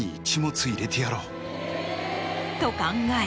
と考え